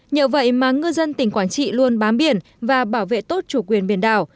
nhờ vậy mà ngư dân tỉnh quảng trị luôn bám biển và bảo vệ tốt chủ quyền biển đảo